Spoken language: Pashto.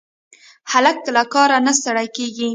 هلک له کاره نه ستړی کېږي.